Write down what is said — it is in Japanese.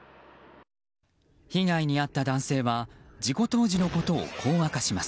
被害に遭った男性は事故当時のことをこう明かします。